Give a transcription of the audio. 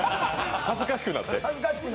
恥ずかしくなって。